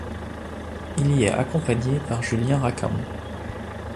Il y est accompagné par Julien Racamond.